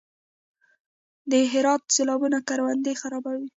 د هرات سیلابونه کروندې خرابوي؟